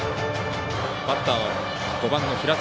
バッターは、５番の平塚。